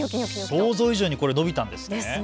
想像以上にこれ伸びたんですね。